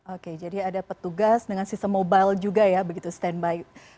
oke jadi ada petugas dengan sistem mobile juga ya begitu standby